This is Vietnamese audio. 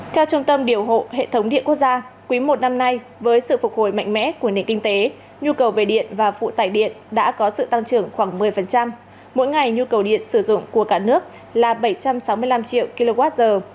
theo trung tâm điều hộ hệ thống điện quốc gia quý một năm nay với sự phục hồi mạnh mẽ của nền kinh tế nhu cầu về điện và phụ tải điện đã có sự tăng trưởng khoảng một mươi mỗi ngày nhu cầu điện sử dụng của cả nước là bảy trăm sáu mươi năm triệu kwh